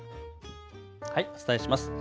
お伝えします。